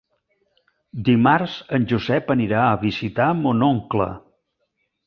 Dimarts en Josep anirà a visitar mon oncle.